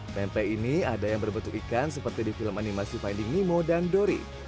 pempek ini ada yang berbentuk ikan seperti di film animasi finding nemo dan dori